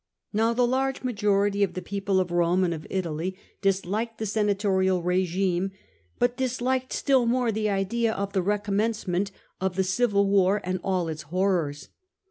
Now, the large majority of the people of Rome and of Italy disliked the senatorial regime, but disliked still more the idea of the recommencement of the civil war and all its horrors.